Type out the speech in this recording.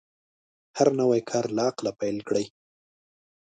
هر نوی کار له عقله پیل کړئ.